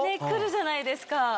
来るじゃないですか。